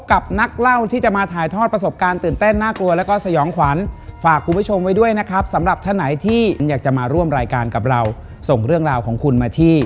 กับนักเล่าที่จะมาถ่ายทอดประสบการณ์ตื่นเต้นน่ากลัวแล้วก็สยองขวัญฝากคุณผู้ชมไว้ด้วยนะครับสำหรับท่านไหนที่อยากจะมาร่วมรายการกับเราส่งเรื่องราวของคุณมาที่